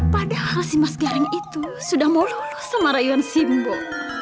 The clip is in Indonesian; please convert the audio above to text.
padahal si mas garing itu sudah mau lulus sama rayuan simbo